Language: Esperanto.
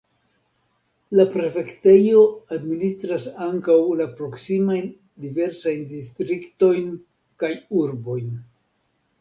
La prefektejo administras ankaŭ la proksimajn diversajn distriktojn kaj urbojn.